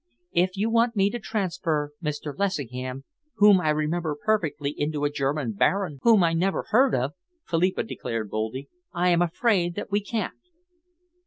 "If you want me to transfer Mr. Lessingham, whom I remember perfectly, into a German baron whom I never heard of," Philippa declared boldly, "I am afraid that we can't."